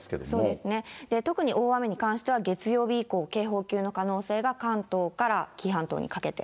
そうですね、特に大雨に関しては月曜日以降、警報級の可能性が、関東から紀伊半島にかけて。